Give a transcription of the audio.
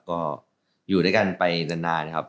ก็อยู่ด้วยกันไปนานนะครับ